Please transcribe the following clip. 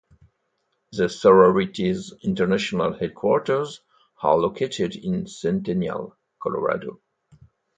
The sorority's international headquarters are located in Centennial, Colorado.